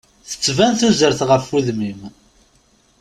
Tettban tuzert ɣef udem-im.